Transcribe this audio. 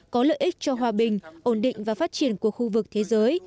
có lợi ích cho hòa bình ổn định và phát triển của khu vực thế giới